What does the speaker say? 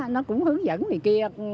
nó cũng hướng dẫn này kia